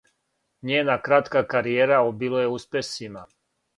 Њена кратка каријера обилује успесима.